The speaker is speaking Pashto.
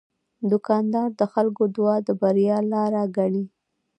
دوکاندار د خلکو دعا د بریا لاره ګڼي.